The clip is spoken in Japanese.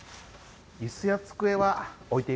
椅子や机は置いていくので。